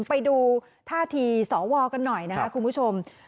ไปดูท่าทีสวกันหน่อยนะครับคุณผู้ชม